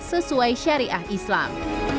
sesuai syariah islam